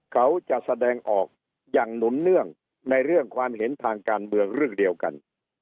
เขาจะแสดงออกอย่างหนุนเนื่องในเรื่องความเห็นทางการเมืองเรื่องเดียวกัน